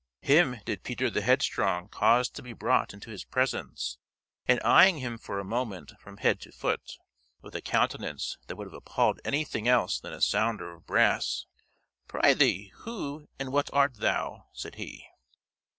Him did Peter the Headstrong cause to be brought into his presence, and eyeing him for a moment from head to foot, with a countenance that would have appalled anything else than a sounder of brass "Pr'ythee, who and what art thou?" said he.